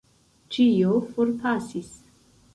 Ĉio forpasis.